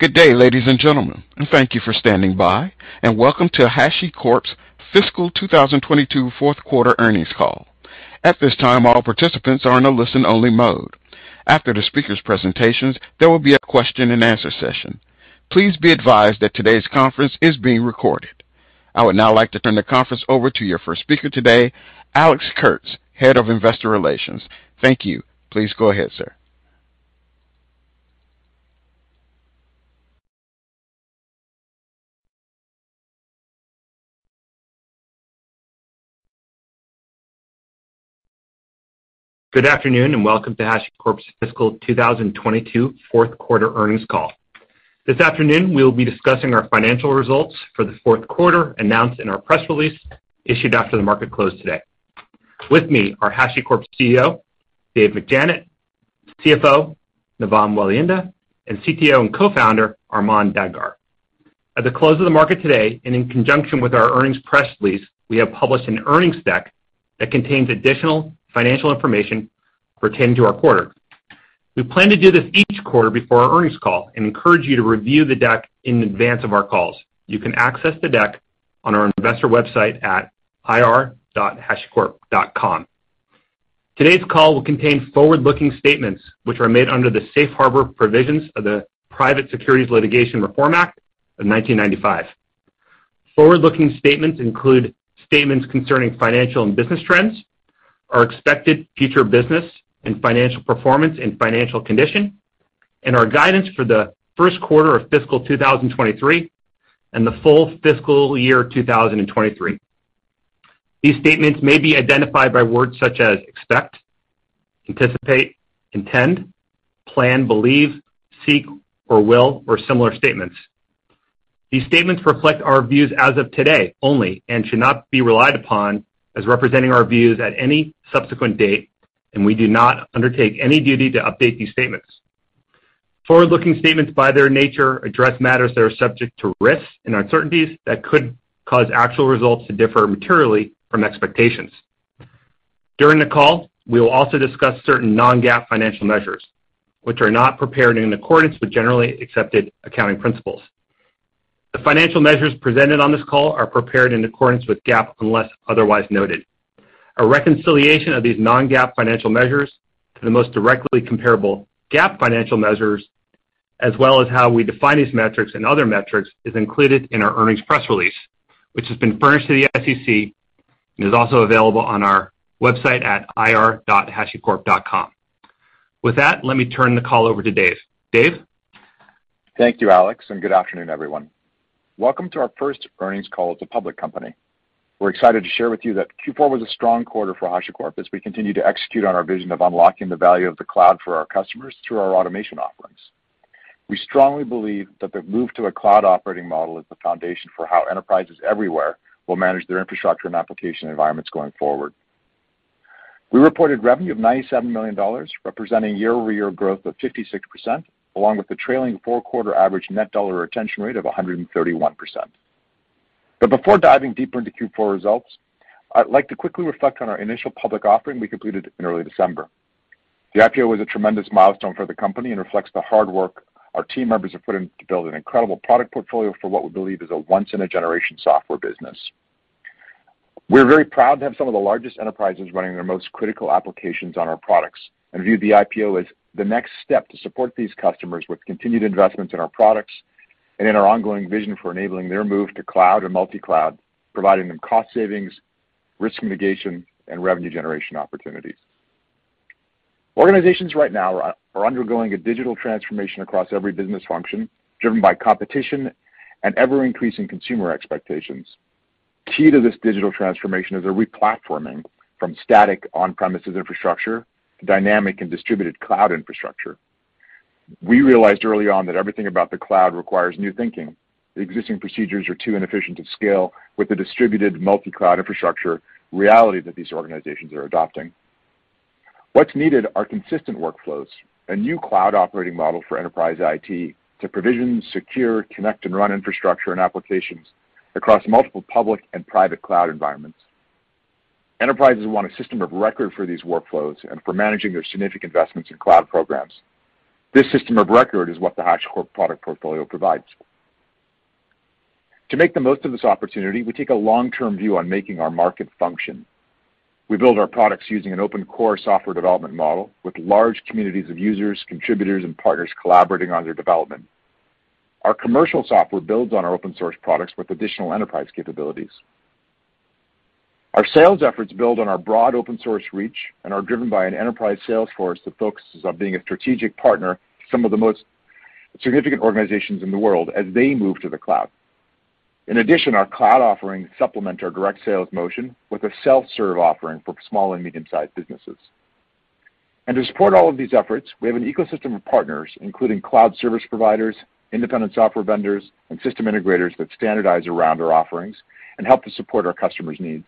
Good day, ladies and gentlemen, and thank you for standing by, and welcome to HashiCorp's Fiscal 2022 Fourth Quarter Earnings Call. At this time, all participants are in a listen-only mode. After the speakers' presentations, there will be a question and answer session. Please be advised that today's conference is being recorded. I would now like to turn the conference over to your first speaker today, Alex Kurtz, Head of Investor Relations. Thank you. Please go ahead, sir. Good afternoon, and welcome to HashiCorp's Fiscal 2022 Fourth Quarter Earnings Call. This afternoon, we'll be discussing our financial results for the fourth quarter announced in our press release issued after the market closed today. With me are HashiCorp CEO, Dave McJannet, CFO, Navam Welihinda, and CTO and Co-founder, Armon Dadgar. At the close of the market today, and in conjunction with our earnings press release, we have published an earnings deck that contains additional financial information pertaining to our quarter. We plan to do this each quarter before our earnings call and encourage you to review the deck in advance of our calls. You can access the deck on our investor website at ir.hashicorp.com. Today's call will contain forward-looking statements which are made under the Safe Harbor provisions of the Private Securities Litigation Reform Act of 1995. Forward-looking statements include statements concerning financial and business trends, our expected future business and financial performance and financial condition, and our guidance for the first quarter of fiscal 2023, and the full fiscal year 2023. These statements may be identified by words such as expect, anticipate, intend, plan, believe, seek, or will, or similar statements. These statements reflect our views as of today only and should not be relied upon as representing our views at any subsequent date, and we do not undertake any duty to update these statements. Forward-looking statements, by their nature, address matters that are subject to risks and uncertainties that could cause actual results to differ materially from expectations. During the call, we will also discuss certain non-GAAP financial measures, which are not prepared in accordance with generally accepted accounting principles. The financial measures presented on this call are prepared in accordance with GAAP, unless otherwise noted. A reconciliation of these non-GAAP financial measures to the most directly comparable GAAP financial measures, as well as how we define these metrics and other metrics, is included in our earnings press release, which has been furnished to the SEC and is also available on our website at ir.hashicorp.com. With that, let me turn the call over to Dave. Dave? Thank you, Alex, and good afternoon, everyone. Welcome to our first earnings call as a public company. We're excited to share with you that Q4 was a strong quarter for HashiCorp as we continue to execute on our vision of unlocking the value of the cloud for our customers through our automation offerings. We strongly believe that the move to a cloud operating model is the foundation for how enterprises everywhere will manage their infrastructure and application environments going forward. We reported revenue of $97 million, representing year-over-year growth of 56%, along with the trailing four-quarter average net dollar retention rate of 131%. Before diving deeper into Q4 results, I'd like to quickly reflect on our initial public offering we completed in early December. The IPO was a tremendous milestone for the company and reflects the hard work our team members have put in to build an incredible product portfolio for what we believe is a once-in-a-generation software business. We're very proud to have some of the largest enterprises running their most critical applications on our products and view the IPO as the next step to support these customers with continued investments in our products and in our ongoing vision for enabling their move to cloud and multi-cloud, providing them cost savings, risk mitigation, and revenue generation opportunities. Organizations right now are undergoing a digital transformation across every business function, driven by competition and ever-increasing consumer expectations. Key to this digital transformation is a re-platforming from static on-premises infrastructure to dynamic and distributed cloud infrastructure. We realized early on that everything about the cloud requires new thinking. The existing procedures are too inefficient to scale with the distributed multi-cloud infrastructure reality that these organizations are adopting. What's needed are consistent workflows, a new cloud operating model for enterprise IT to provision, secure, connect, and run infrastructure and applications across multiple public and private cloud environments. Enterprises want a system of record for these workflows and for managing their significant investments in cloud programs. This system of record is what the HashiCorp product portfolio provides. To make the most of this opportunity, we take a long-term view on making our market function. We build our products using an open core software development model with large communities of users, contributors, and partners collaborating on their development. Our commercial software builds on our open source products with additional enterprise capabilities. Our sales efforts build on our broad open source reach and are driven by an enterprise sales force that focuses on being a strategic partner to some of the most significant organizations in the world as they move to the cloud. In addition, our cloud offerings supplement our direct sales motion with a self-serve offering for small and medium-sized businesses. To support all of these efforts, we have an ecosystem of partners, including cloud service providers, independent software vendors, and system integrators that standardize around our offerings and help to support our customers' needs.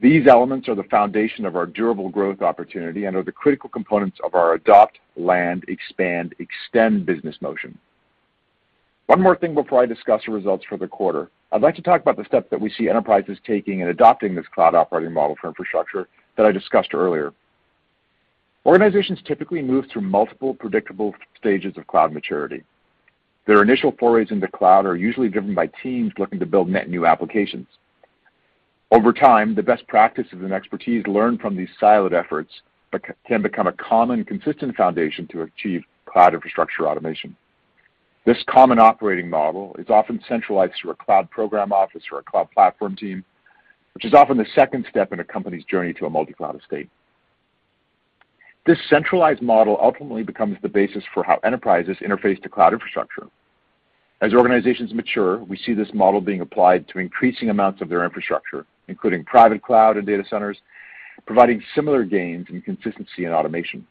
These elements are the foundation of our durable growth opportunity and are the critical components of our adopt, land, expand, extend business motion. One more thing before I discuss the results for the quarter. I'd like to talk about the steps that we see enterprises taking in adopting this cloud operating model for infrastructure that I discussed earlier. Organizations typically move through multiple predictable stages of cloud maturity. Their initial forays into cloud are usually driven by teams looking to build net new applications. Over time, the best practices and expertise learned from these siloed efforts can become a common, consistent foundation to achieve cloud infrastructure automation. This common operating model is often centralized through a cloud program office or a cloud platform team, which is often the second step in a company's journey to a multi-cloud estate. This centralized model ultimately becomes the basis for how enterprises interface to cloud infrastructure. As organizations mature, we see this model being applied to increasing amounts of their infrastructure, including private cloud and data centers, providing similar gains in consistency and automation.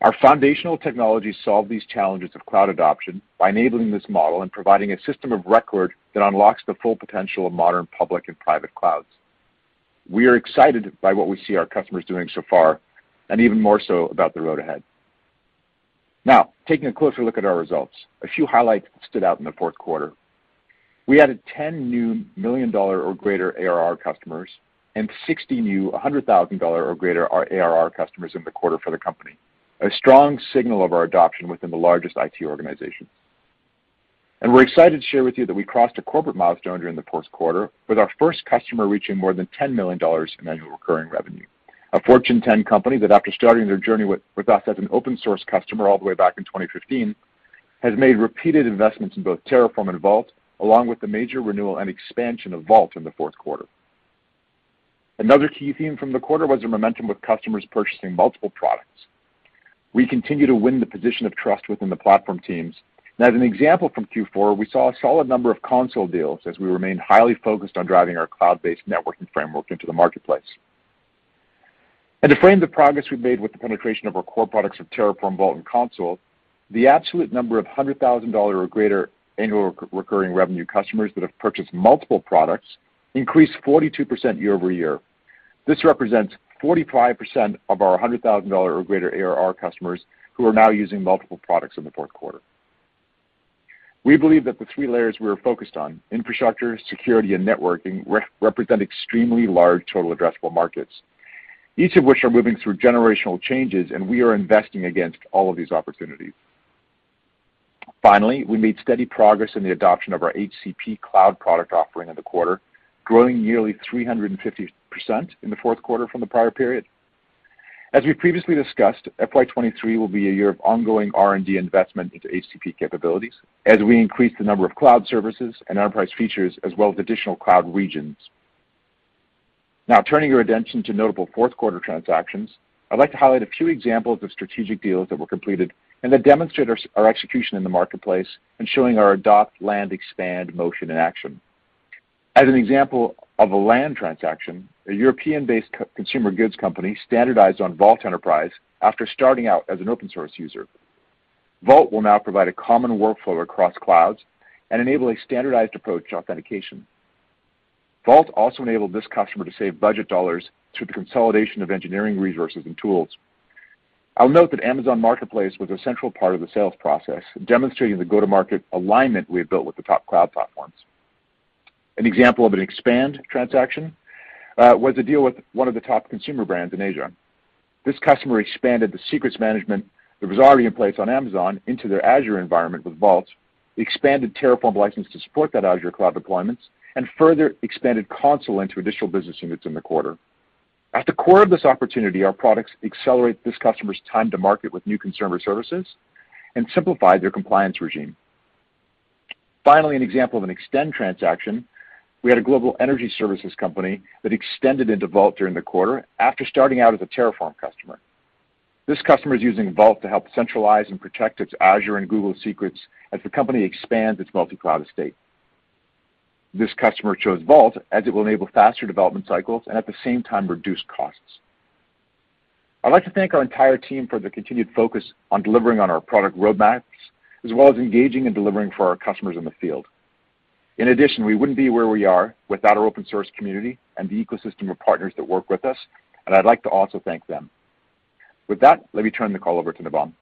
Our foundational technologies solve these challenges of cloud adoption by enabling this model and providing a system of record that unlocks the full potential of modern public and private clouds. We are excited by what we see our customers doing so far, and even more so about the road ahead. Now, taking a closer look at our results, a few highlights stood out in the fourth quarter. We added 10 new $1 million or greater ARR customers and 60 new $100,000 or greater ARR customers in the quarter for the company, a strong signal of our adoption within the largest IT organization. We're excited to share with you that we crossed a corporate milestone during the fourth quarter with our first customer reaching more than $10 million in annual recurring revenue. A Fortune 10 company that, after starting their journey with us as an open source customer all the way back in 2015, has made repeated investments in both Terraform and Vault, along with the major renewal and expansion of Vault in the fourth quarter. Another key theme from the quarter was the momentum with customers purchasing multiple products. We continue to win the position of trust within the platform teams. As an example from Q4, we saw a solid number of Consul deals as we remain highly focused on driving our cloud-based networking framework into the marketplace. To frame the progress we've made with the penetration of our core products of Terraform, Vault, and Consul, the absolute number of $100,000 or greater annual recurring revenue customers that have purchased multiple products increased 42% year-over-year. This represents 45% of our $100,000 or greater ARR customers who are now using multiple products in the fourth quarter. We believe that the three layers we are focused on, infrastructure, security, and networking, represent extremely large total addressable markets, each of which are moving through generational changes, and we are investing against all of these opportunities. Finally, we made steady progress in the adoption of our HCP cloud product offering in the quarter, growing nearly 350% in the fourth quarter from the prior period. As we previously discussed, FY 2023 will be a year of ongoing R&D investment into HCP capabilities as we increase the number of cloud services and enterprise features as well as additional cloud regions. Now turning your attention to notable fourth quarter transactions, I'd like to highlight a few examples of strategic deals that were completed and that demonstrate our execution in the marketplace, showing our land, expand motion in action. As an example of a land transaction, a European-based consumer goods company standardized on Vault Enterprise after starting out as an open source user. Vault will now provide a common workflow across clouds and enable a standardized approach to authentication. Vault also enabled this customer to save budget dollars through the consolidation of engineering resources and tools. I'll note that AWS Marketplace was a central part of the sales process, demonstrating the go-to-market alignment we have built with the top cloud platforms. An example of an expand transaction was a deal with one of the top consumer brands in Asia. This customer expanded the secrets management that was already in place on Amazon into their Azure environment with Vault, expanded Terraform license to support that Azure cloud deployments, and further expanded Consul into additional business units in the quarter. At the core of this opportunity, our products accelerate this customer's time to market with new consumer services and simplify their compliance regime. Finally, an example of an extend transaction, we had a global energy services company that extended into Vault during the quarter after starting out as a Terraform customer. This customer is using Vault to help centralize and protect its Azure and Google secrets as the company expands its multi-cloud estate. This customer chose Vault as it will enable faster development cycles and at the same time reduce costs. I'd like to thank our entire team for the continued focus on delivering on our product roadmaps, as well as engaging and delivering for our customers in the field. In addition, we wouldn't be where we are without our open source community and the ecosystem of partners that work with us, and I'd like to also thank them. With that, let me turn the call over to Navam.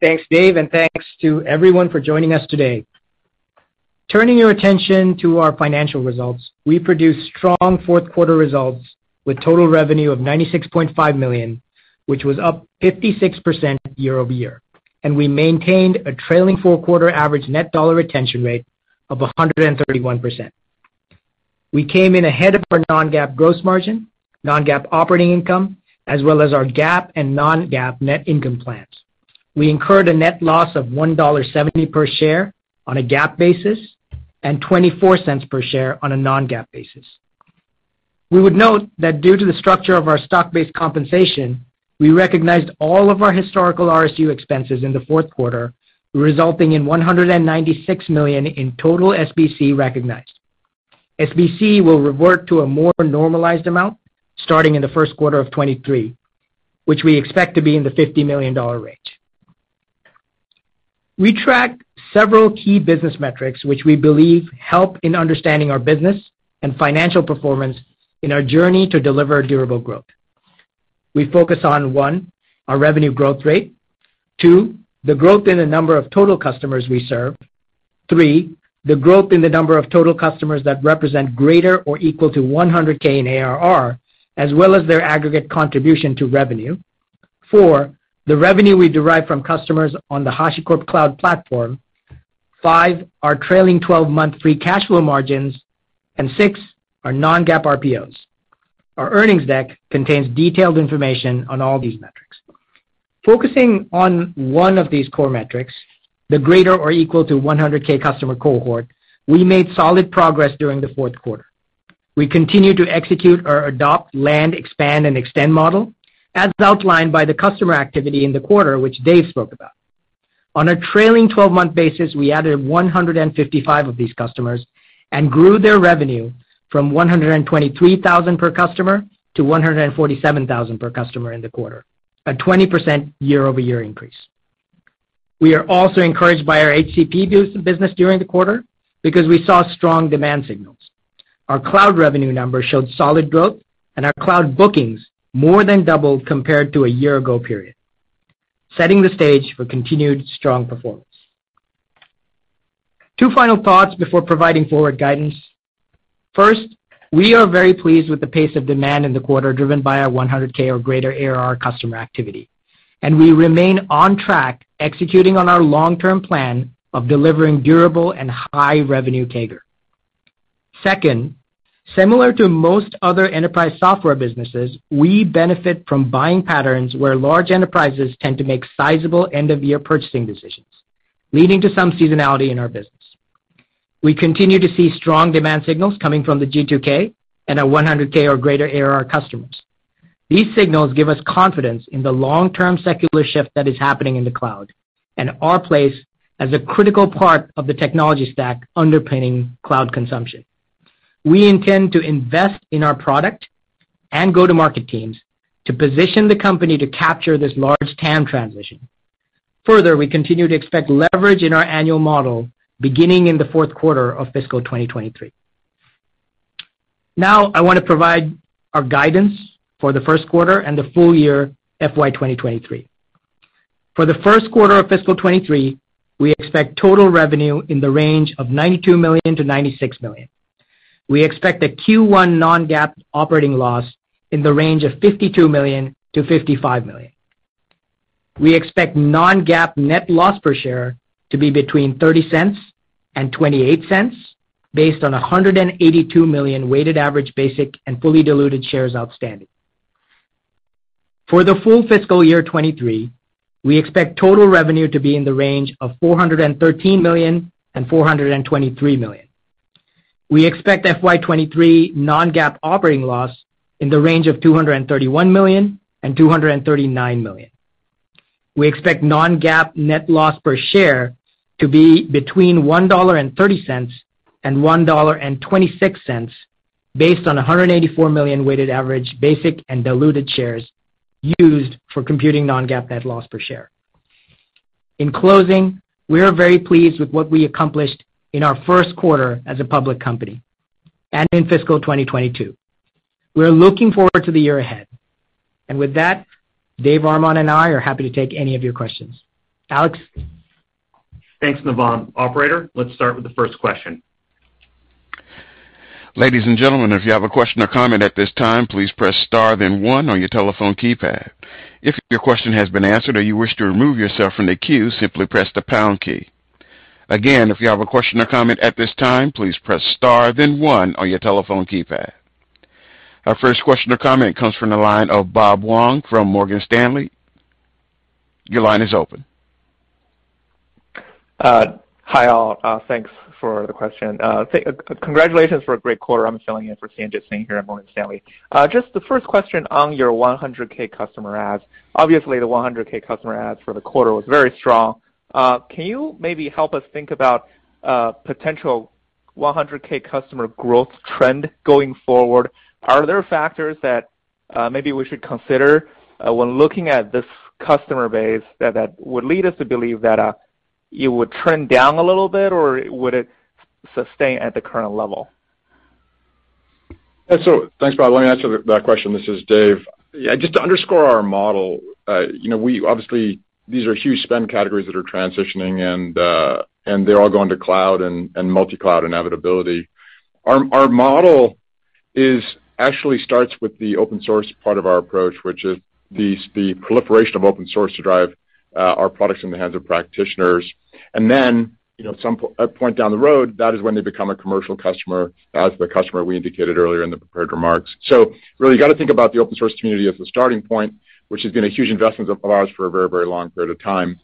Thanks, Dave, and thanks to everyone for joining us today. Turning your attention to our financial results, we produced strong fourth quarter results with total revenue of $96.5 million, which was up 56% year-over-year, and we maintained a trailing four-quarter average net dollar retention rate of 131%. We came in ahead of our non-GAAP gross margin, non-GAAP operating income, as well as our GAAP and non-GAAP net income plans. We incurred a net loss of $1.70 per share on a GAAP basis and $0.24 per share on a non-GAAP basis. We would note that due to the structure of our stock-based compensation, we recognized all of our historical RSU expenses in the fourth quarter, resulting in $196 million in total SBC recognized. SBC will revert to a more normalized amount starting in the first quarter of 2023, which we expect to be in the $50 million range. We tracked several key business metrics which we believe help in understanding our business and financial performance in our journey to deliver durable growth. We focus on, one, our revenue growth rate. Two, the growth in the number of total customers we serve. Three, the growth in the number of total customers that represent greater than or equal to 100,000 in ARR, as well as their aggregate contribution to revenue. Four, the revenue we derive from customers on the HashiCorp Cloud Platform. Five, our trailing 12-month free cash flow margins. And six, our non-GAAP RPOs. Our earnings deck contains detailed information on all these metrics. Focusing on one of these core metrics, the greater or equal to 100,000 customer cohort, we made solid progress during the fourth quarter. We continued to execute our adopt, land, expand, and extend model, as outlined by the customer activity in the quarter, which Dave spoke about. On a trailing twelve-month basis, we added 155 of these customers and grew their revenue from 123,000 per customer to 147,000 per customer in the quarter, a 20% year-over-year increase. We are also encouraged by our HCP business during the quarter because we saw strong demand signals. Our cloud revenue numbers showed solid growth, and our cloud bookings more than doubled compared to a year ago period, setting the stage for continued strong performance. Two final thoughts before providing forward guidance. First, we are very pleased with the pace of demand in the quarter, driven by our 100,000 or greater ARR customer activity, and we remain on track executing on our long-term plan of delivering durable and high revenue CAGR. Second, similar to most other enterprise software businesses, we benefit from buying patterns where large enterprises tend to make sizable end-of-year purchasing decisions, leading to some seasonality in our business. We continue to see strong demand signals coming from the G2K and our 100,000 or greater ARR customers. These signals give us confidence in the long-term secular shift that is happening in the cloud and our place as a critical part of the technology stack underpinning cloud consumption. We intend to invest in our product and go-to-market teams to position the company to capture this large TAM transition. Further, we continue to expect leverage in our annual model beginning in the fourth quarter of fiscal 2023. Now I want to provide our guidance for the first quarter and the full year FY 2023. For the first quarter of fiscal 2023, we expect total revenue in the range of $92 million-$96 million. We expect a Q1 non-GAAP operating loss in the range of $52 million-$55 million. We expect non-GAAP net loss per share to be between $0.30 and $0.28 based on 182 million weighted average basic and fully diluted shares outstanding. For the full fiscal year 2023, we expect total revenue to be in the range of $413 million and $423 million. We expect FY 2023 non-GAAP operating loss in the range of $231 million and $239 million. We expect non-GAAP net loss per share to be between $1.30 and $1.26 based on 184 million weighted average basic and diluted shares used for computing non-GAAP net loss per share. In closing, we are very pleased with what we accomplished in our first quarter as a public company and in fiscal 2022. We are looking forward to the year ahead. With that, Dave McJannet and Armon Dadgar and I are happy to take any of your questions. Alex? Thanks, Navam. Operator, let's start with the first question. Our first question or comment comes from the line of Bob Huang from Morgan Stanley. Your line is open. Hi, all. Thanks for the question. Congratulations for a great quarter. I'm filling in for Sanjit Singh here at Morgan Stanley. Just the first question on your 100,000 customer adds. Obviously, the 100,000 customer adds for the quarter was very strong. Can you maybe help us think about potential 100,000 customer growth trend going forward? Are there factors that maybe we should consider when looking at this customer base that would lead us to believe that it would trend down a little bit, or would it sustain at the current level? Thanks, Bob. Let me answer that question. This is Dave. Yeah, just to underscore our model, you know, we obviously these are huge spend categories that are transitioning and they're all going to cloud and multi-cloud inevitability. Our model actually starts with the open source part of our approach, which is the proliferation of open source to drive our products in the hands of practitioners. Then, you know, some point down the road, that is when they become a commercial customer, as the customer we indicated earlier in the prepared remarks. Really got to think about the open source community as the starting point, which has been a huge investment of ours for a very, very long period of time.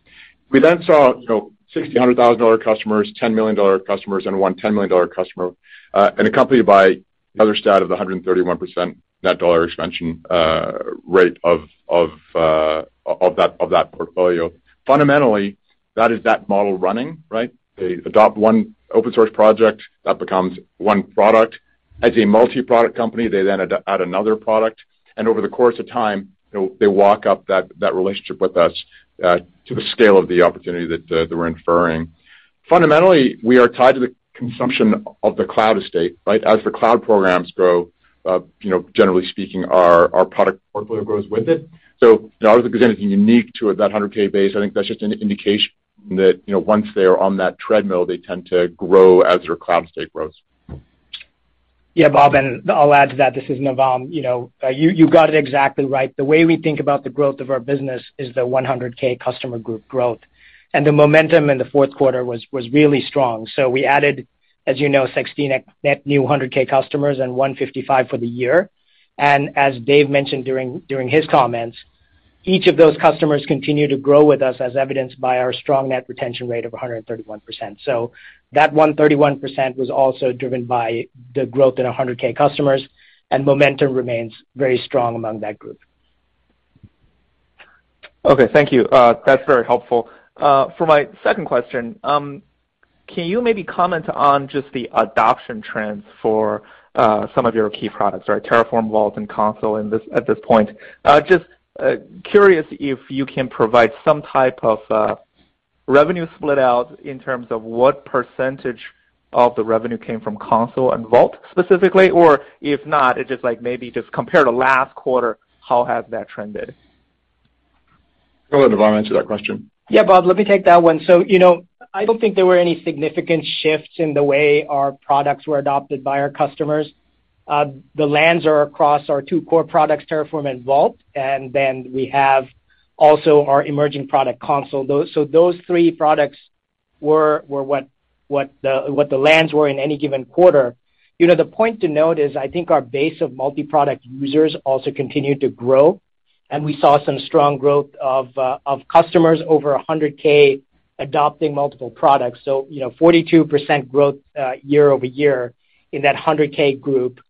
We then saw, you know, $6,000-$100,000 customers, $10 million customers and one $10 million customer, and accompanied by the other stat of the 131% net dollar expansion rate of that portfolio. Fundamentally, that is that model running, right? They adopt one open source project, that becomes one product. As a multi-product company, they then add another product, and over the course of time, you know, they walk up that relationship with us to the scale of the opportunity that we're inferring. Fundamentally, we are tied to the consumption of the cloud estate, right? As the cloud programs grow, you know, generally speaking, our product portfolio grows with it. You know, I don't think there's anything unique to that 100,000 base. I think that's just an indication. That, you know, once they're on that treadmill, they tend to grow as their cloud state grows. Yeah, Bob, I'll add to that. This is Navam. You know, you got it exactly right. The way we think about the growth of our business is the 100,000 customer group growth. The momentum in the fourth quarter was really strong. We added, as you know, 16 net new 100,000 customers and 155 for the year. As Dave mentioned during his comments, each of those customers continue to grow with us, as evidenced by our strong net retention rate of 131%. That 131% was also driven by the growth in our 100,000 customers, and momentum remains very strong among that group. Okay. Thank you. That's very helpful. For my second question, can you maybe comment on just the adoption trends for some of your key products, right, Terraform, Vault, and Consul at this point? Just curious if you can provide some type of revenue split out in terms of what percentage of the revenue came from Consul and Vault specifically. Or if not, it's just like maybe just compare to last quarter, how has that trend been? Go ahead, Navam, answer that question. Yeah, Bob, let me take that one. You know, I don't think there were any significant shifts in the way our products were adopted by our customers. The lands are across our two core products, Terraform and Vault, and then we have also our emerging product, Consul. Those three products were what the lands were in any given quarter. You know, the point to note is I think our base of multi-product users also continued to grow, and we saw some strong growth of customers over 100,000adopting multiple products. You know, 42% growth year-over-year in that 100,000 group,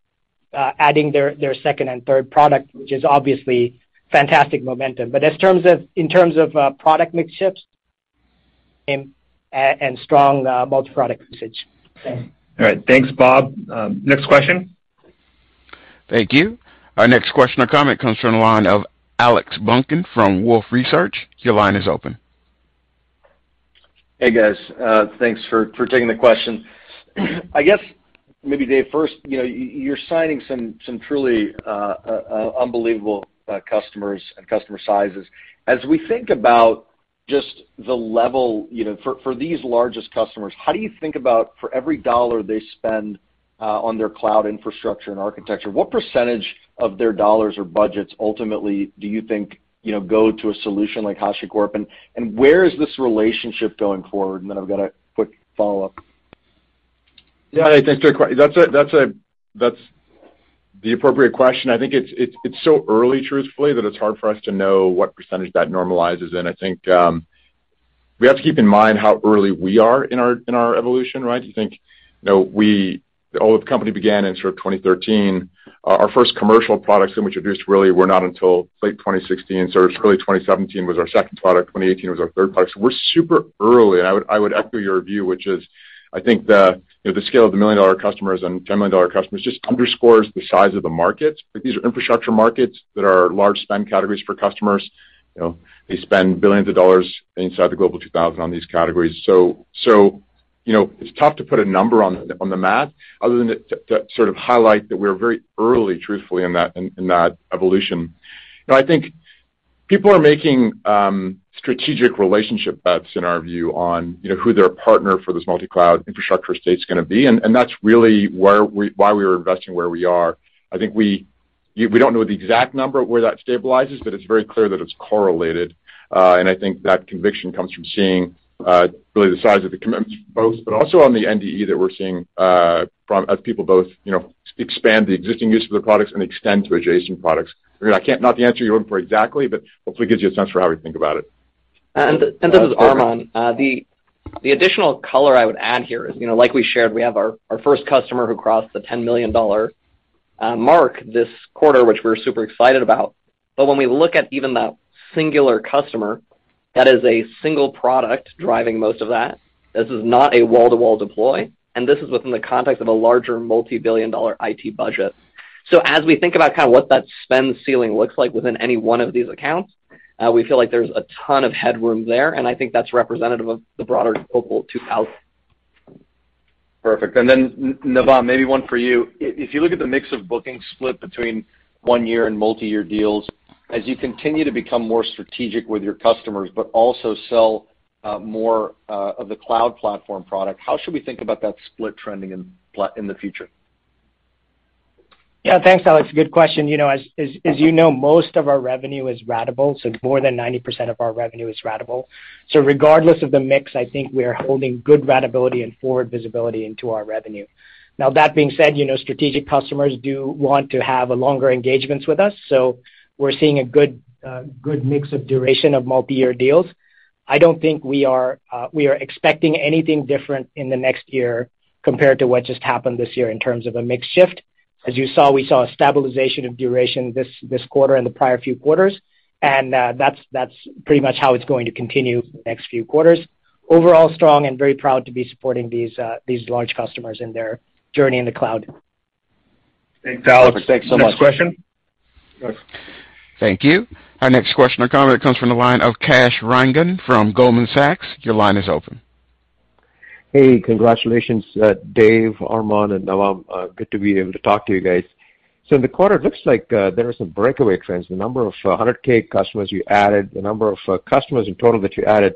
adding their second and third product, which is obviously fantastic momentum. In terms of product mix shifts and strong multi-product usage. All right. Thanks, Bob. Next question. Thank you. Our next question or comment comes from the line of Alex Zukin from Wolfe Research. Your line is open. Hey, guys. Thanks for taking the question. I guess maybe Dave first, you know, you're signing some truly unbelievable customers and customer sizes. As we think about just the level, you know, for these largest customers, how do you think about for every dollar they spend on their cloud infrastructure and architecture, what percentage of their dollars or budgets ultimately do you think, you know, go to a solution like HashiCorp? Where is this relationship going forward? Then I've got a quick follow-up. Yeah, I think that's the appropriate question. I think it's so early, truthfully, that it's hard for us to know what percentage that normalizes in. I think we have to keep in mind how early we are in our evolution, right? I think, you know, the old company began in sort of 2013. Our first commercial products that we introduced really were not until late 2016. So it's really 2017 was our second product, 2018 was our third product. So we're super early, and I would echo your view, which is I think the, you know, the scale of the million-dollar customers and 10-million-dollar customers just underscores the size of the markets. But these are infrastructure markets that are large spend categories for customers. You know, they spend billions of dollars inside the Global 2000 on these categories. You know, it's tough to put a number on the math other than to sort of highlight that we're very early, truthfully, in that evolution. You know, I think people are making strategic relationship bets, in our view, on, you know, who their partner for this multi-cloud infrastructure space is gonna be. That's really why we are investing where we are. I think we don't know the exact number on where that stabilizes, but it's very clear that it's correlated. I think that conviction comes from seeing really the size of the commitments for both, but also on the NDR that we're seeing from, as people both, you know, expand the existing use of their products and extend to adjacent products. Again, not the answer you're hoping for exactly, but hopefully gives you a sense for how we think about it. This is Armon. The additional color I would add here is, you know, like we shared, we have our first customer who crossed the $10 million mark this quarter, which we're super excited about. When we look at even that singular customer, that is a single product driving most of that. This is not a wall-to-wall deploy, and this is within the context of a larger multi-billion-dollar IT budget. As we think about kind of what that spend ceiling looks like within any one of these accounts, we feel like there's a ton of headroom there, and I think that's representative of the broader Global 2000. Perfect. Navam, maybe one for you. If you look at the mix of bookings split between one-year and multiyear deals, as you continue to become more strategic with your customers but also sell more of the cloud platform product, how should we think about that split trending in the future? Yeah. Thanks, Alex. Good question. You know, as you know, most of our revenue is ratable, so more than 90% of our revenue is ratable. Regardless of the mix, I think we are holding good ratability and forward visibility into our revenue. Now that being said, you know, strategic customers do want to have longer engagements with us, so we're seeing a good mix of duration of multi-year deals. I don't think we are expecting anything different in the next year compared to what just happened this year in terms of a mix shift. As you saw, we saw a stabilization of duration this quarter and the prior few quarters, and that's pretty much how it's going to continue the next few quarters. Overall strong and very proud to be supporting these large customers in their journey in the cloud. Thanks, Alex. Perfect. Thanks so much. Next question. Thank you. Our next question or comment comes from the line of Kash Rangan from Goldman Sachs. Your line is open. Hey, congratulations, Dave, Armon and Navam. Good to be able to talk to you guys. In the quarter, it looks like there are some breakaway trends. The number of 100,000 customers you added, the number of customers in total that you added,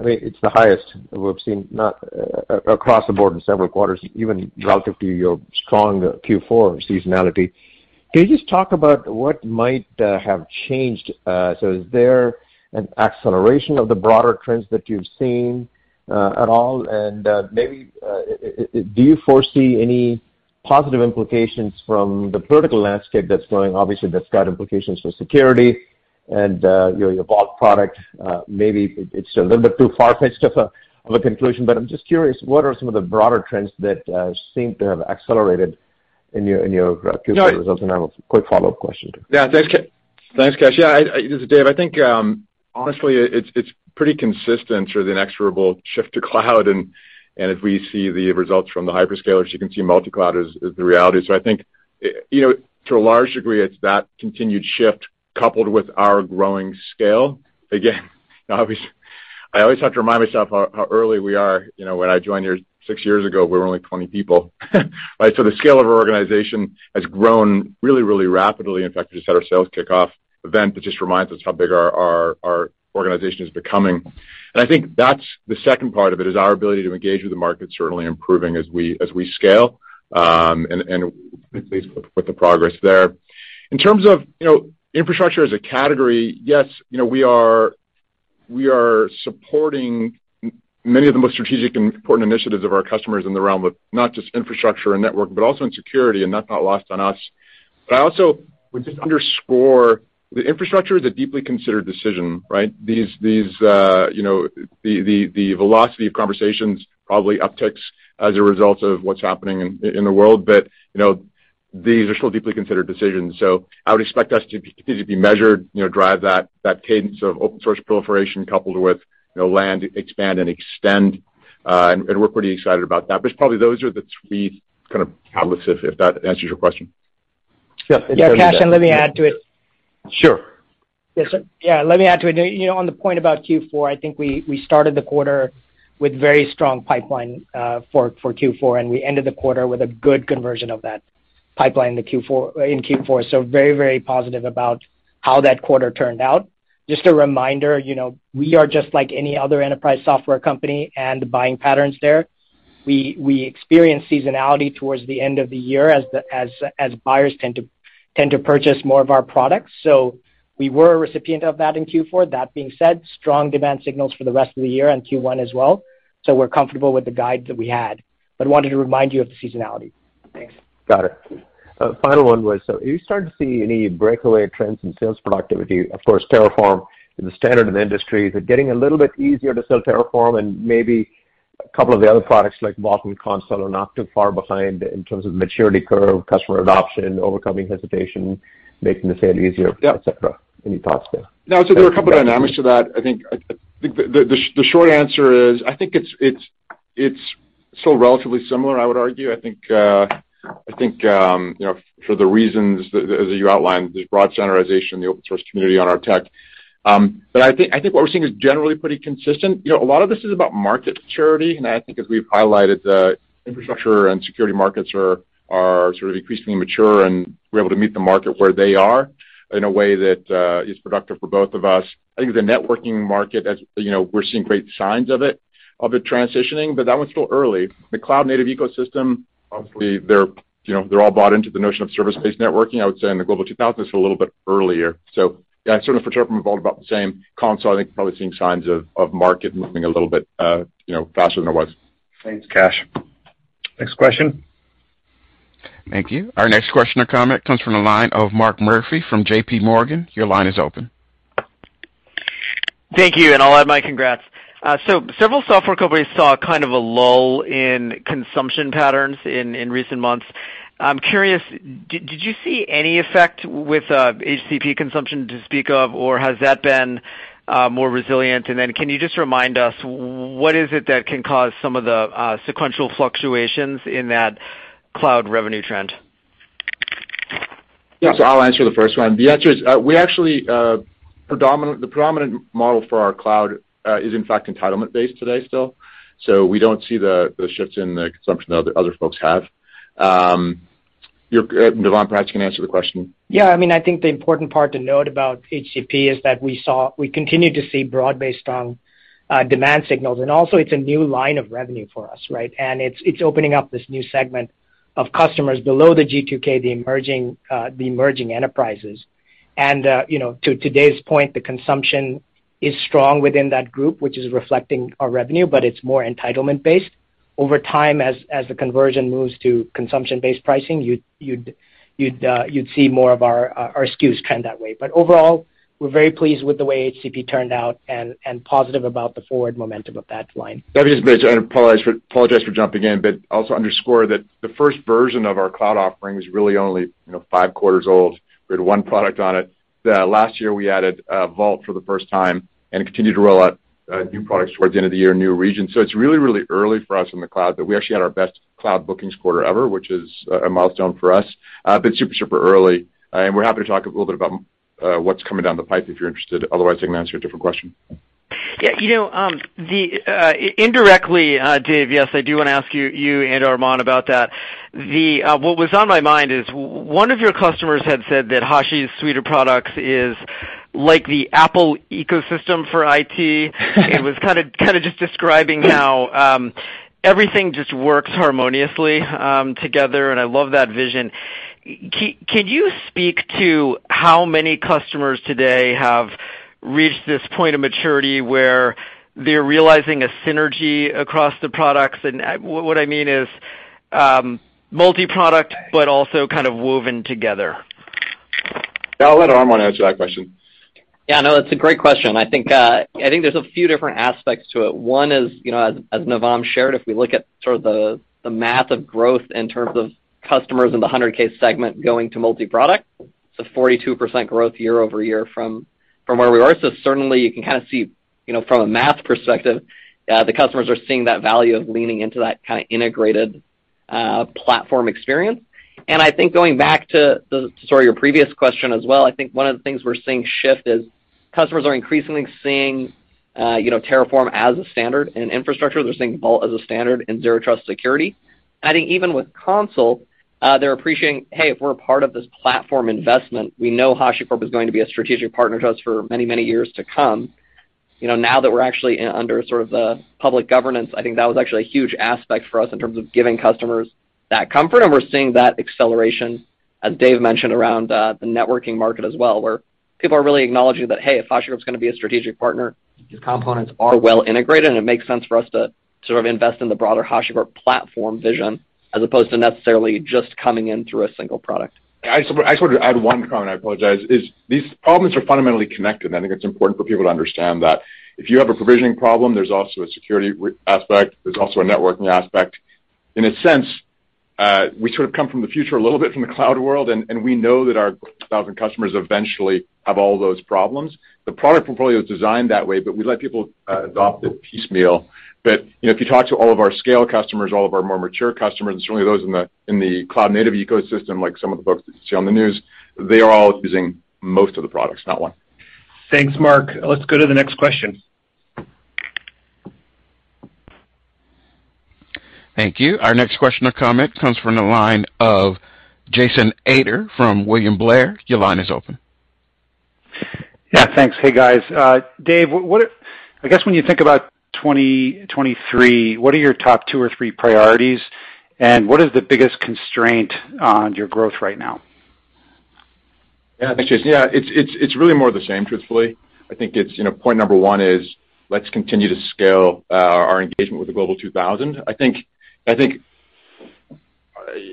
I mean, it's the highest we've seen, not across the board in several quarters, even relative to your strong Q4 seasonality. Can you just talk about what might have changed? Is there an acceleration of the broader trends that you've seen at all? Maybe do you foresee any positive implications from the political landscape that's going, obviously, that's got implications for security and you know, your Vault product? Maybe it's a little bit too far-fetched of a conclusion, but I'm just curious, what are some of the broader trends that seem to have accelerated in your Q4 results? I have a quick follow-up question too. Yeah. Thanks, Kash. Yeah, this is Dave. I think, honestly it's pretty consistent through the inexorable shift to cloud. And if we see the results from the hyperscalers, you can see multi-cloud is the reality. So I think, you know, to a large degree, it's that continued shift coupled with our growing scale. Again, obviously, I always have to remind myself how early we are. You know, when I joined here six years ago, we were only 20 people. Right? So the scale of our organization has grown really rapidly. In fact, we just had our sales kickoff event that just reminds us how big our organization is becoming. I think that's the second part of it, is our ability to engage with the market certainly improving as we scale and pleased with the progress there. In terms of, you know, infrastructure as a category, yes, you know, we are supporting many of the most strategic and important initiatives of our customers in the realm of not just infrastructure and network, but also in security, and that's not lost on us. I also would just underscore the infrastructure is a deeply considered decision, right? These, you know, the velocity of conversations probably upticks as a result of what's happening in the world. You know, these are still deeply considered decisions, so I would expect us to be measured, you know, drive that cadence of open source proliferation coupled with, you know, land, expand and extend. We're pretty excited about that. It's probably those are the three kind of outlets, if that answers your question. Yeah. Yeah, Kash, and let me add to it. Sure. Yeah. Let me add to it. You know, on the point about Q4, I think we started the quarter with very strong pipeline for Q4, and we ended the quarter with a good conversion of that pipeline in Q4. So very positive about how that quarter turned out. Just a reminder, you know, we are just like any other enterprise software company and the buying patterns there. We experience seasonality towards the end of the year as buyers tend to purchase more of our products. So we were a recipient of that in Q4. That being said, strong demand signals for the rest of the year and Q1 as well. So we're comfortable with the guide that we had, but wanted to remind you of the seasonality. Thanks. Got it. Final one was, so are you starting to see any breakaway trends in sales productivity? Of course, Terraform is the standard in the industry. Is it getting a little bit easier to sell Terraform and maybe a couple of the other products like Vault and Consul not too far behind in terms of maturity curve, customer adoption, overcoming hesitation, making the sale easier, et cetera? Any thoughts there? No, there are a couple of dynamics to that. I think the short answer is I think it's still relatively similar, I would argue. I think you know, for the reasons that, as you outlined, the broad standardization in the open source community on our tech. I think what we're seeing is generally pretty consistent. You know, a lot of this is about market maturity, and I think as we've highlighted, the infrastructure and security markets are sort of increasingly mature, and we're able to meet the market where they are in a way that is productive for both of us. I think the networking market, as you know, we're seeing great signs of it transitioning, but that one's still early. The cloud-native ecosystem, obviously they're, you know, they're all bought into the notion of service-based networking. I would say in the Global 2000, it's a little bit earlier. Yeah, sort of for Terraform, about the same. Consul, I think you're probably seeing signs of market moving a little bit, you know, faster than it was. Thanks, Kash. Next question. Thank you. Our next question or comment comes from the line of Mark Murphy from JPMorgan. Your line is open. Thank you, and I'll add my congrats. Several software companies saw kind of a lull in consumption patterns in recent months. I'm curious, did you see any effect with HCP consumption to speak of, or has that been more resilient? Can you just remind us what is it that can cause some of the sequential fluctuations in that cloud revenue trend? Yeah, I'll answer the first one. The answer is, we actually, the predominant model for our cloud is in fact entitlement-based today still. We don't see the shifts in the consumption that other folks have. Navam perhaps can answer the question. Yeah, I mean, I think the important part to note about HCP is that we continue to see broad-based, strong demand signals. Also it's a new line of revenue for us, right? It's opening up this new segment of customers below the G2K, the emerging enterprises. You know, to today's point, the consumption is strong within that group, which is reflecting our revenue, but it's more entitlement based. Over time, as the conversion moves to consumption-based pricing, you'd see more of our SKUs trend that way. Overall, we're very pleased with the way HCP turned out and positive about the forward momentum of that line. Let me just apologize for jumping in, but also underscore that the first version of our cloud offering is really only, you know, five quarters old. We had one product on it. The last year we added Vault for the first time and continued to roll out new products towards the end of the year, new regions. It's really early for us in the cloud, but we actually had our best cloud bookings quarter ever, which is a milestone for us. Super early. We're happy to talk a little bit about what's coming down the pipe, if you're interested. Otherwise, I can answer a different question. Yeah, you know, indirectly, Dave, yes, I do wanna ask you and Armon about that. What was on my mind is one of your customers had said that HashiCorp's suite of products is like the Apple ecosystem for IT. It was kinda just describing how everything just works harmoniously together, and I love that vision. Can you speak to how many customers today have reached this point of maturity where they're realizing a synergy across the products? And what I mean is multi-product, but also kind of woven together. Yeah, I'll let Armon answer that question. Yeah, no, that's a great question. I think there's a few different aspects to it. One is, you know, as Navam shared, if we look at sort of the math of growth in terms of customers in the 100,000 case segment going to multi-product, it's a 42% growth year-over-year from where we were. Certainly you can kind of see, you know, from a math perspective, the customers are seeing that value of leaning into that kind of integrated platform experience. I think going back to the story of your previous question as well, I think one of the things we're seeing shift is customers are increasingly seeing, you know, Terraform as a standard in infrastructure. They're seeing Vault as a standard in zero trust security. I think even with Consul, they're appreciating, hey, if we're a part of this platform investment, we know HashiCorp is going to be a strategic partner to us for many, many years to come. You know, now that we're actually in under sort of the public governance, I think that was actually a huge aspect for us in terms of giving customers that comfort. We're seeing that acceleration, as Dave mentioned, around the networking market as well, where people are really acknowledging that, hey, if HashiCorp is gonna be a strategic partner, these components are well integrated, and it makes sense for us to sort of invest in the broader HashiCorp platform vision as opposed to necessarily just coming in through a single product. I sort of add one comment. I apologize. These problems are fundamentally connected. I think it's important for people to understand that. If you have a provisioning problem, there's also a security aspect, there's also a networking aspect. In a sense, we sort of come from the future a little bit from the cloud world, and we know that our 1,000 customers eventually have all those problems. The product portfolio is designed that way, but we let people adopt it piecemeal. You know, if you talk to all of our scale customers, all of our more mature customers, and certainly those in the cloud-native ecosystem, like some of the folks that you see on the news, they are all using most of the products, not one. Thanks, Mark. Let's go to the next question. Thank you. Our next question or comment comes from the line of Jason Ader from William Blair. Your line is open. Yeah, thanks. Hey, guys. Dave, I guess when you think about 2023, what are your top two or three priorities, and what is the biggest constraint on your growth right now? Yeah, thanks, Jason. Yeah, it's really more of the same, truthfully. I think it's, you know, point number one is let's continue to scale our engagement with the Global 2000. I think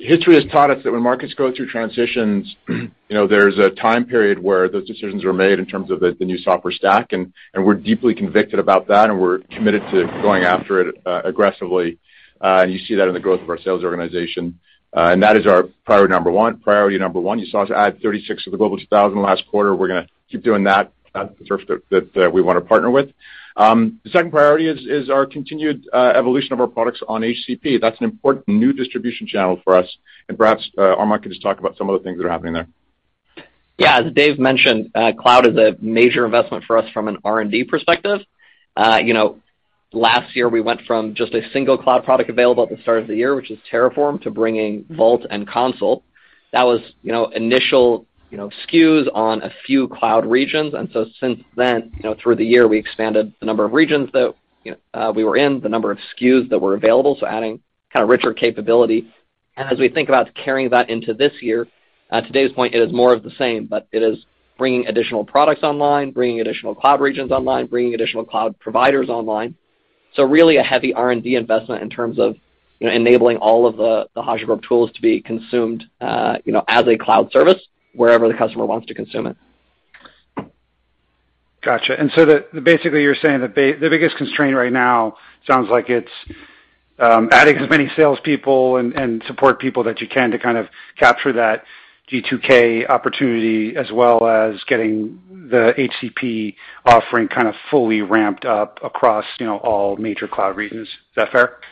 history has taught us that when markets go through transitions, you know, there's a time period where those decisions are made in terms of the new software stack, and we're deeply convicted about that, and we're committed to going after it aggressively. You see that in the growth of our sales organization. That is our priority number one. You saw us add 36 of the Global 2000 last quarter. We're gonna keep doing that, surface that we wanna partner with. The second priority is our continued evolution of our products on HCP. That's an important new distribution channel for us. Perhaps, Armon can just talk about some of the things that are happening there. Yeah. As Dave mentioned, cloud is a major investment for us from an R&D perspective. You know, last year, we went from just a single cloud product available at the start of the year, which is Terraform, to bringing Vault and Consul. That was, you know, initial, you know, SKUs on a few cloud regions. Since then, you know, through the year, we expanded the number of regions that, you know, we were in, the number of SKUs that were available, so adding kinda richer capability. As we think about carrying that into this year, to Dave's point, it is more of the same, but it is bringing additional products online, bringing additional cloud regions online, bringing additional cloud providers online really a heavy R&D investment in terms of, you know, enabling all of the HashiCorp tools to be consumed, you know, as a cloud service wherever the customer wants to consume it. Gotcha. Basically, you're saying the biggest constraint right now sounds like it's adding as many salespeople and support people that you can to kind of capture that G2K opportunity as well as getting the HCP offering kind of fully ramped up across, you know, all major cloud regions. Is that fair? Yeah,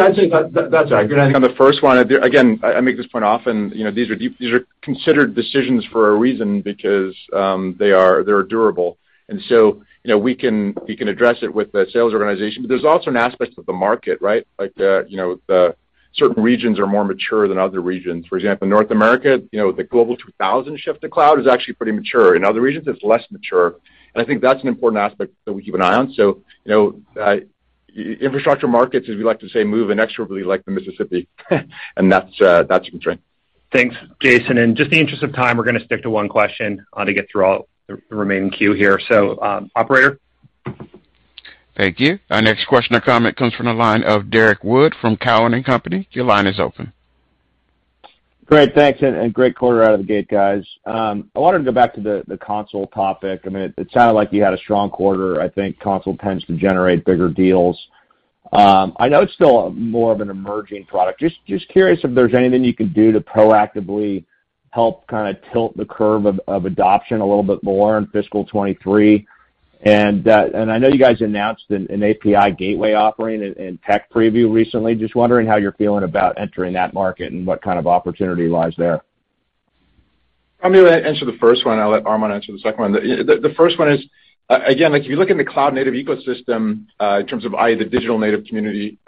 I'd say that's a good one on the first one. Again, I make this point often. You know, these are considered decisions for a reason because they're durable. You know, we can address it with the sales organization. There's also an aspect of the market, right? Like, you know, certain regions are more mature than other regions. For example, North America, you know, the Global 2000 shift to cloud is actually pretty mature. In other regions, it's less mature. I think that's an important aspect that we keep an eye on. You know, infrastructure markets, as we like to say, move inexorably like the Mississippi. That's a constraint. Thanks, Jason. In just the interest of time, we're gonna stick to one question to get through all the remaining queue here. Operator. Thank you. Our next question or comment comes from the line of Derrick Wood from Cowen and Company. Your line is open. Great. Thanks. Great quarter out of the gate, guys. I wanted to go back to the Consul topic. I mean, it sounded like you had a strong quarter. I think Consul tends to generate bigger deals. I know it's still more of an emerging product. Just curious if there's anything you could do to proactively help kinda tilt the curve of adoption a little bit more in fiscal 2023. I know you guys announced an API gateway offering in tech preview recently. Just wondering how you're feeling about entering that market and what kind of opportunity lies there. I'm gonna answer the first one, and I'll let Armon answer the second one. The first one is, again, like, if you look in the cloud-native ecosystem, in terms of, i.e., the digital native community,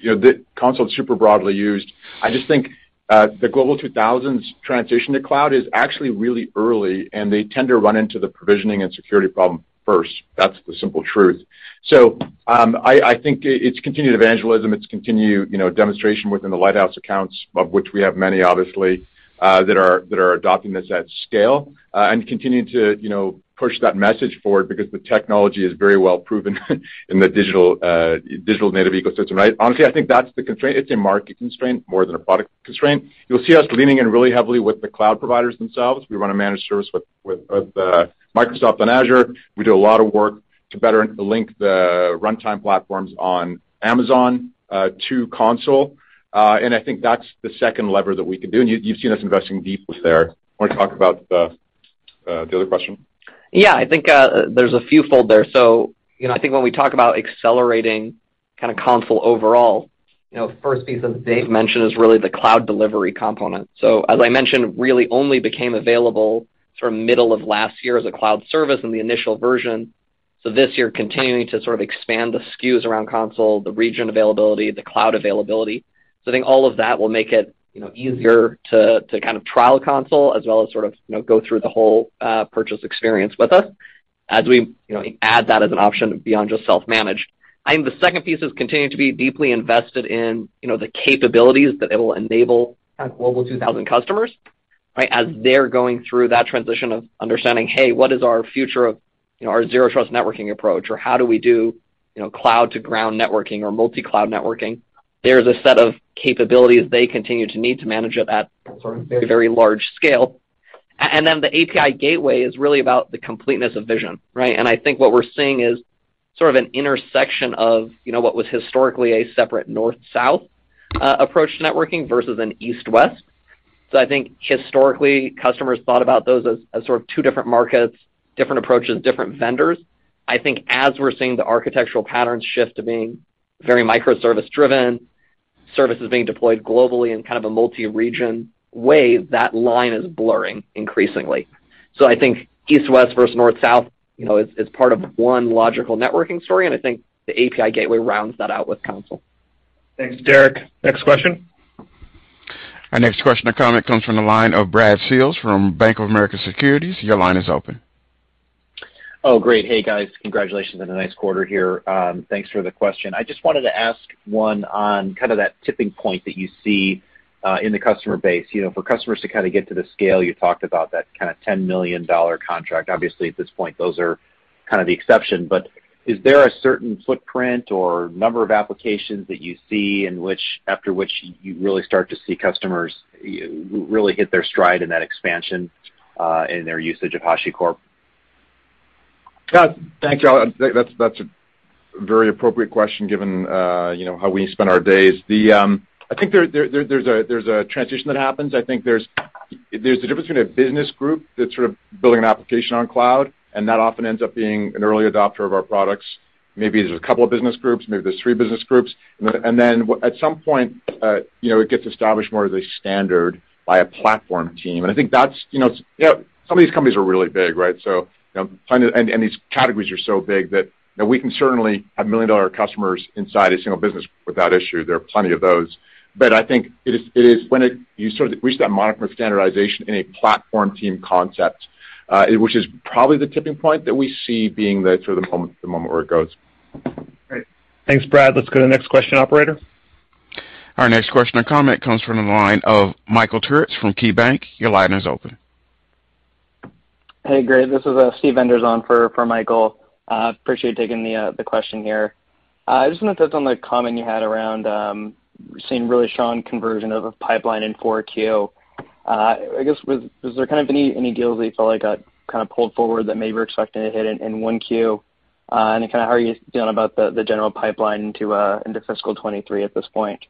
you know, the Consul's super broadly used. I just think the Global 2000s transition to cloud is actually really early, and they tend to run into the provisioning and security problem first. That's the simple truth. I think it's continued evangelism. It's continued, you know, demonstration within the lighthouse accounts of which we have many obviously, that are adopting this at scale, and continuing to, you know, push that message forward because the technology is very well proven in the digital native ecosystem, right? Honestly, I think that's the constraint. It's a market constraint more than a product constraint. You'll see us leaning in really heavily with the cloud providers themselves. We run a managed service with Microsoft on Azure. We do a lot of work to better link the runtime platforms on Amazon to Consul. I think that's the second lever that we can do. You've seen us investing deeply there. Wanna talk about the other question? Yeah. I think, there's a few fold there. You know, I think when we talk about accelerating kinda Consul overall, you know, first piece that Dave mentioned is really the cloud delivery component. As I mentioned, really only became available sort of middle of last year as a cloud service in the initial version. This year, continuing to sort of expand the SKUs around Consul, the region availability, the cloud availability. I think all of that will make it, you know, easier to kind of trial Consul as well as sort of, you know, go through the whole, purchase experience with us as we, you know, add that as an option beyond just self-managed. I think the second piece is continuing to be deeply invested in, you know, the capabilities that it will enable kind of Global 2000 customers, right? As they're going through that transition of understanding, "Hey, what is our future of, you know, our zero trust networking approach?" Or, "How do we do, you know, cloud to ground networking or multi-cloud networking?" There's a set of capabilities they continue to need to manage it at a very large scale. And then the API gateway is really about the completeness of vision, right? I think what we're seeing is sort of an intersection of, you know, what was historically a separate north-south approach to networking versus an east-west. I think historically, customers thought about those as sort of two different markets, different approaches, different vendors. I think as we're seeing the architectural patterns shift to being very microservice driven, services being deployed globally in kind of a multi-region way, that line is blurring increasingly. I think east-west versus north-south, you know, is part of one logical networking story, and I think the API gateway rounds that out with Consul. Thanks, Derrick. Next question. Our next question or comment comes from the line of Brad Sills from Bank of America Securities. Your line is open. Oh, great. Hey, guys. Congratulations on a nice quarter here. Thanks for the question. I just wanted to ask one on kind of that tipping point that you see in the customer base. You know, for customers to kinda get to the scale you talked about, that kinda $10 million contract. Obviously, at this point, those are kind of the exception. Is there a certain footprint or number of applications that you see in which, after which you really start to see customers really hit their stride in that expansion in their usage of HashiCorp? Yeah. Thanks, Brad. That's a very appropriate question given you know how we spend our days. I think there's a transition that happens. I think there's the difference between a business group that's sort of building an application on cloud, and that often ends up being an early adopter of our products. Maybe there's a couple of business groups, maybe there's three business groups. At some point, you know, it gets established more as a standard by a platform team. I think that's you know. Some of these companies are really big, right? These categories are so big that, you know, we can certainly have million-dollar customers inside a single business without issue. There are plenty of those. I think it is when you sort of reach that mark of standardization in a platform team concept, which is probably the tipping point that we see being the sort of moment, the moment where it goes. Great. Thanks, Brad. Let's go to the next question, operator. Our next question or comment comes from the line of Michael Turits from KeyBanc. Your line is open. Hey, great. This is Steve Enders for Michael. Appreciate taking the question here. I just wanna touch on the comment you had around seeing really strong conversion of a pipeline in Q4. I guess was there kind of any deals that you felt like got kinda pulled forward that maybe you're expecting to hit in Q1? Kinda how are you feeling about the general pipeline into fiscal 2023 at this point?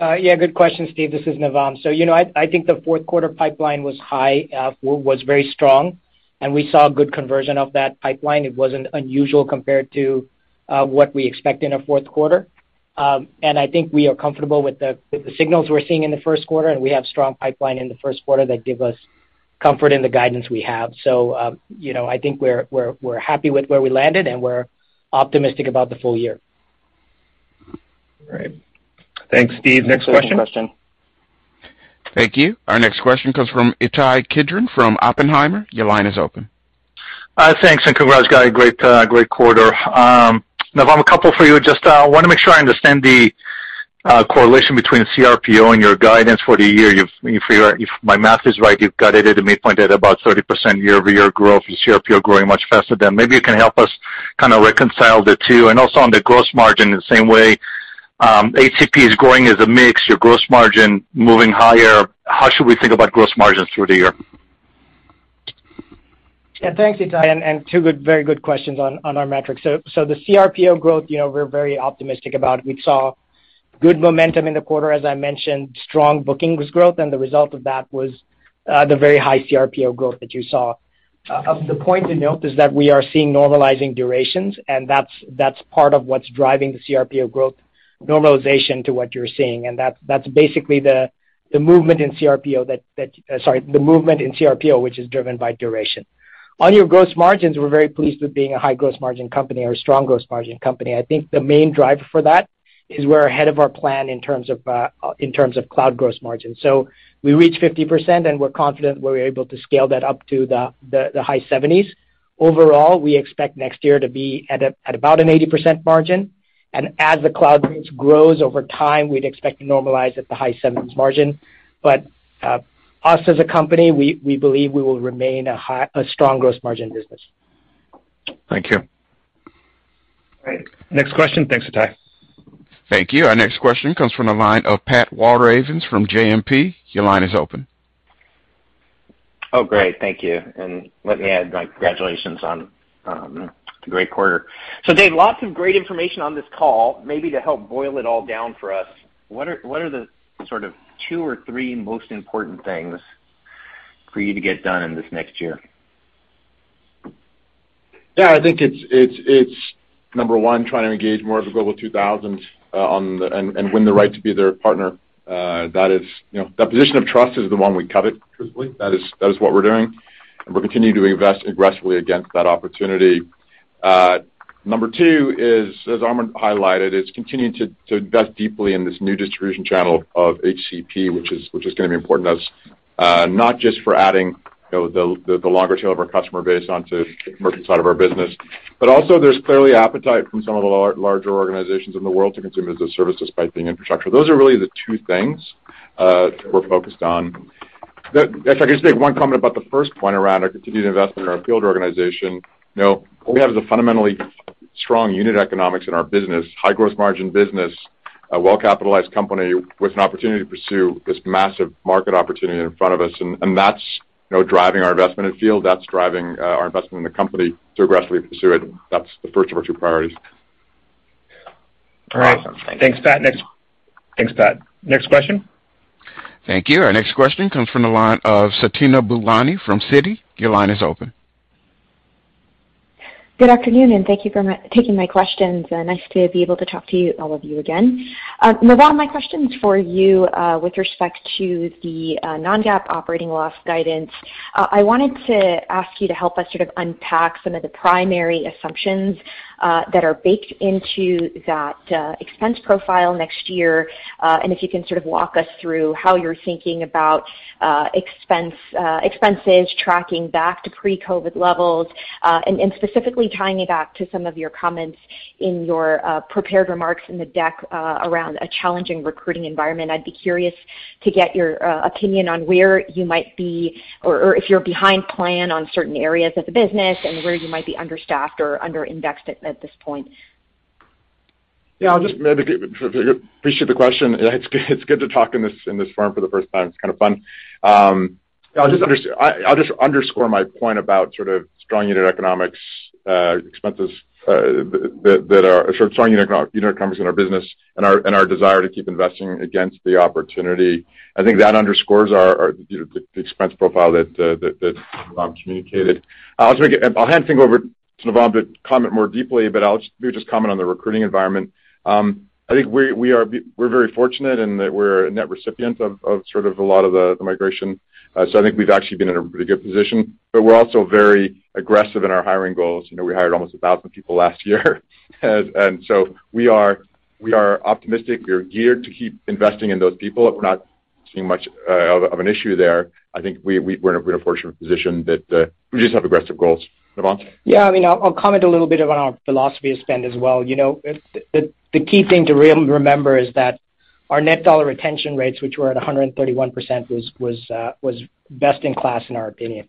Yeah. Good question, Steve. This is Navam. You know, I think the fourth quarter pipeline was high, was very strong, and we saw good conversion of that pipeline. It wasn't unusual compared to what we expect in a fourth quarter. I think we are comfortable with the signals we're seeing in the first quarter, and we have strong pipeline in the first quarter that give us comfort in the guidance we have. You know, I think we're happy with where we landed, and we're optimistic about the full year. All right. Thanks, Steve. Next question. Thanks for the question. Thank you. Our next question comes from Ittai Kidron from Oppenheimer. Your line is open. Thanks and congrats, guy. Great quarter. Navam, a couple for you. Just wanna make sure I understand the correlation between CRPO and your guidance for the year. If my math is right, you've guided to a midpoint at about 30% year-over-year growth. Is CRPO growing much faster then? Maybe you can help us kinda reconcile the two. Also on the gross margin in the same way, HCP is growing as a mix, your gross margin moving higher. How should we think about gross margins through the year? Yeah. Thanks, Ittai. Two very good questions on our metrics. The CRPO growth, you know, we're very optimistic about. We saw good momentum in the quarter, as I mentioned, strong bookings growth, and the result of that was the very high CRPO growth that you saw. The point to note is that we are seeing normalizing durations, and that's part of what's driving the CRPO growth normalization to what you're seeing. That's basically the movement in CRPO, which is driven by duration. On your gross margins, we're very pleased with being a high gross margin company or a strong gross margin company. I think the main driver for that is we're ahead of our plan in terms of cloud gross margin. We reached 50%, and we're confident we're able to scale that up to the high 70s. Overall, we expect next year to be at about an 80% margin, and as the cloud base grows over time, we'd expect to normalize at the high 70s margin. Us as a company, we believe we will remain a strong gross margin business. Thank you. All right. Next question. Thanks, Ittai. Thank you. Our next question comes from the line of Pat Walravens from JMP. Your line is open. Oh, great. Thank you. Let me add my congratulations on great quarter. Dave, lots of great information on this call. Maybe to help boil it all down for us, what are the sort of two or three most important things for you to get done in this next year? Yeah, I think it's number one, trying to engage more of the Global 2000 and win the right to be their partner. That is, you know, that position of trust is the one we covet, truthfully. That is what we're doing, and we're continuing to invest aggressively against that opportunity. Number two is, as Armand highlighted, it's continuing to invest deeply in this new distribution channel of HCP, which is gonna be important to us, not just for adding, you know, the longer tail of our customer base onto the merchant side of our business. Also there's clearly appetite from some of the larger organizations in the world to consume as a service despite being infrastructure. Those are really the two things that we're focused on. If I can just make one comment about the first point around our continued investment in our field organization. You know, what we have is a fundamentally strong unit economics in our business, high gross margin business, a well-capitalized company with an opportunity to pursue this massive market opportunity in front of us, and that's, you know, driving our investment in field, that's driving our investment in the company to aggressively pursue it. That's the first of our two priorities. Awesome. Thank you. Thanks, Pat. Next question? Thank you. Our next question comes from the line of Fatima Boolani from Citi. Your line is open. Good afternoon, and thank you for taking my questions. Nice to be able to talk to you, all of you again. Navam, my question is for you, with respect to the non-GAAP operating loss guidance. I wanted to ask you to help us sort of unpack some of the primary assumptions that are baked into that expense profile next year. If you can sort of walk us through how you're thinking about expenses tracking back to pre-COVID levels, and specifically tying it back to some of your comments in your prepared remarks in the deck, around a challenging recruiting environment. I'd be curious to get your opinion on where you might be or if you're behind plan on certain areas of the business and where you might be understaffed or under-indexed at this point. Appreciate the question. It's good to talk in this forum for the first time. It's kind of fun. I'll just underscore my point about sort of strong unit economics, expenses, that are sort of strong unit economics in our business and our desire to keep investing against the opportunity. I think that underscores our you know the expense profile that Navam communicated. I'll hand things over to Navam to comment more deeply, but maybe just comment on the recruiting environment. I think we're very fortunate in that we're a net recipient of sort of a lot of the migration. I think we've actually been in a pretty good position, but we're also very aggressive in our hiring goals. You know, we hired almost 1,000 people last year. We are optimistic. We are geared to keep investing in those people. We're not seeing much of an issue there. I think we're in a fortunate position that we just have aggressive goals. Navam? Yeah, I mean, I'll comment a little bit on our philosophy of spend as well. You know, the key thing to remember is that our net dollar retention rates, which were at 131%, was best in class in our opinion.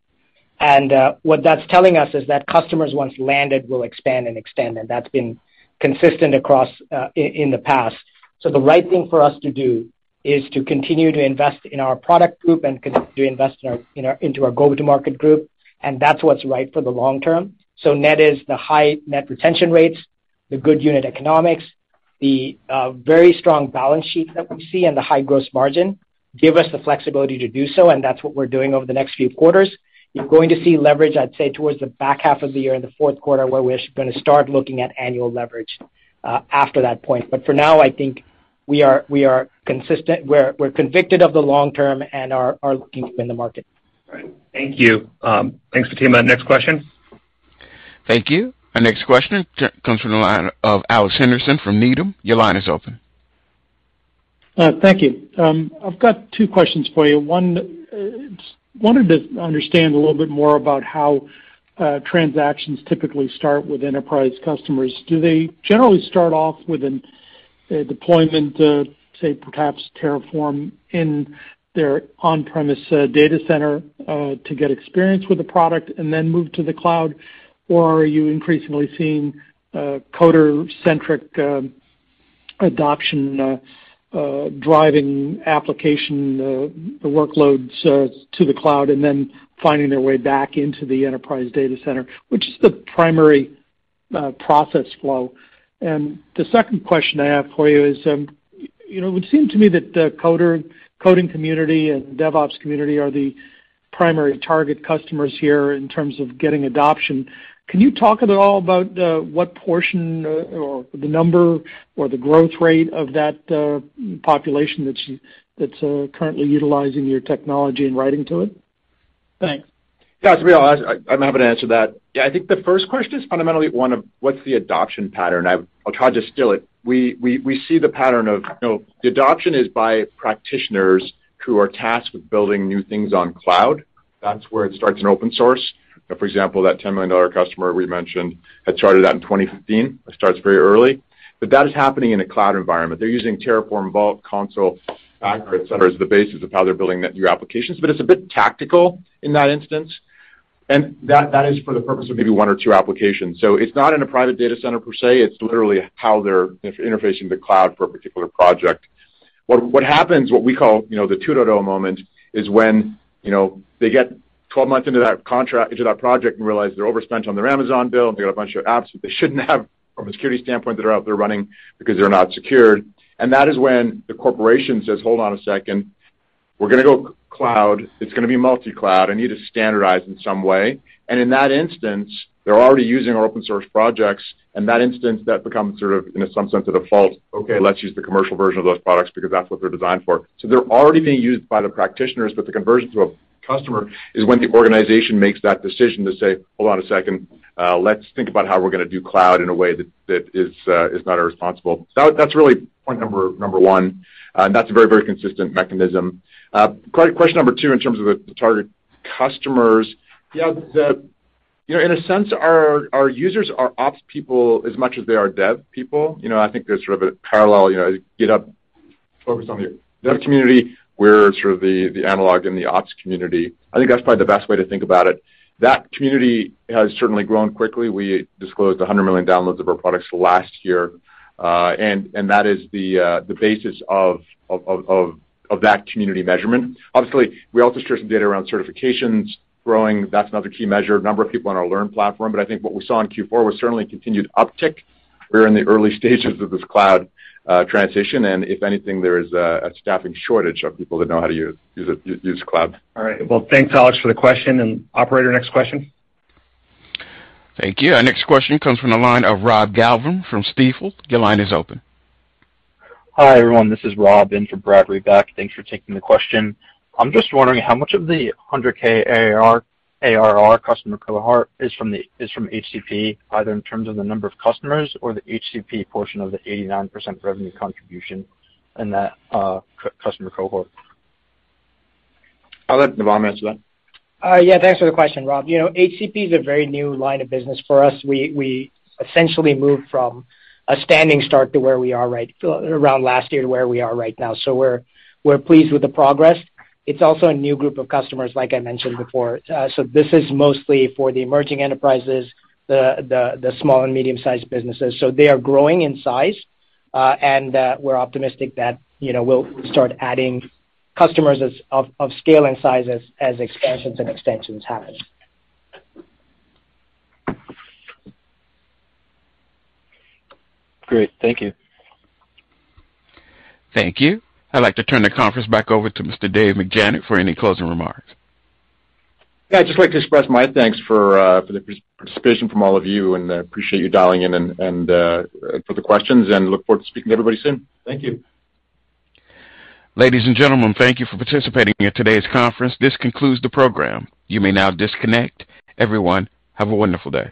What that's telling us is that customers once landed will expand, and that's been consistent across in the past. The right thing for us to do is to continue to invest in our product group and continue to invest into our go-to-market group, and that's what's right for the long term. Net is the high net retention rates, the good unit economics, the very strong balance sheet that we see and the high gross margin give us the flexibility to do so, and that's what we're doing over the next few quarters. You're going to see leverage, I'd say, towards the back half of the year in the fourth quarter, where we're gonna start looking at annual leverage after that point. For now, I think we are consistent. We're convicted of the long term and are looking to win the market. All right. Thank you. Thanks, Fatima. Next question? Thank you. Our next question comes from the line of Alex Henderson from Needham. Your line is open. Thank you. I've got two questions for you. One, I wanted to understand a little bit more about how transactions typically start with enterprise customers. Do they generally start off with a deployment, say perhaps Terraform in their on-premise data center, to get experience with the product and then move to the cloud? Or are you increasingly seeing coder-centric adoption driving application workloads to the cloud and then finding their way back into the enterprise data center? Which is the primary process flow. The second question I have for you is, you know, it would seem to me that the coding community and DevOps community are the primary target customers here in terms of getting adoption. Can you talk at all about what portion or the number or the growth rate of that population that's currently utilizing your technology and writing to it? Thanks. Yeah. To be honest, I'm happy to answer that. Yeah, I think the first question is fundamentally one of what's the adoption pattern. I'll try to distill it. We see the pattern. You know, the adoption is by practitioners who are tasked with building new things on cloud. That's where it starts in open source. For example, that $10 million customer we mentioned had started out in 2015. It starts very early. But that is happening in a cloud environment. They're using Terraform, Vault, Consul, Packer, et cetera, as the basis of how they're building that new applications. But it's a bit tactical in that instance, and that is for the purpose of maybe one or two applications. So it's not in a private data center per se. It's literally how they're interfacing the cloud for a particular project. What we call, you know, the 2.0 moment is when, you know, they get 12 months into that contract, into that project, and realize they're overspent on their Amazon bill, and they got a bunch of apps that they shouldn't have from a security standpoint that are out there running because they're not secured. That is when the corporation says, "Hold on a second. We're gonna go cloud. It's gonna be multi-cloud. I need to standardize in some way." In that instance, they're already using our open source projects. In that instance, that becomes sort of, in some sense, a default. Okay, let's use the commercial version of those products because that's what they're designed for. They're already being used by the practitioners, but the conversion to a customer is when the organization makes that decision to say, "Hold on a second, let's think about how we're gonna do cloud in a way that is not irresponsible." That's really point number one. And that's a very consistent mechanism. Question number two in terms of the target customers. Yeah, you know, in a sense, our users are ops people as much as they are dev people. You know, I think there's sort of a parallel, focus on the dev community. We're sort of the analog in the ops community. I think that's probably the best way to think about it. That community has certainly grown quickly. We disclosed 100 million downloads of our products last year, and that is the basis of that community measurement. Obviously, we also share some data around certifications growing. That's another key measure, number of people on our Learn platform. I think what we saw in Q4 was certainly a continued uptick. We're in the early stages of this cloud transition, and if anything, there is a staffing shortage of people that know how to use cloud. All right. Well, thanks, Alex, for the question. Operator, next question. Thank you. Our next question comes from the line of Rob Galvin from Stifel. Your line is open. Hi, everyone. This is Rob in for Brad Reback. Thanks for taking the question. I'm just wondering how much of the 100,000 ARR customer cohort is from HCP, either in terms of the number of customers or the HCP portion of the 89% revenue contribution in that customer cohort. I'll let Navam answer that. Yeah, thanks for the question, Rob. You know, HCP is a very new line of business for us. We essentially moved from a standing start around last year to where we are right now. We're pleased with the progress. It's also a new group of customers, like I mentioned before. This is mostly for the emerging enterprises, the small and medium-sized businesses. They are growing in size, and we're optimistic that, you know, we'll start adding customers of scale and size as expansions and extensions happen. Great. Thank you. Thank you. I'd like to turn the conference back over to Mr. Dave McJannet for any closing remarks. Yeah, I'd just like to express my thanks for the participation from all of you, and I appreciate you dialing in and for the questions and look forward to speaking to everybody soon. Thank you. Ladies and gentlemen, thank you for participating in today's conference. This concludes the program. You may now disconnect. Everyone, have a wonderful day.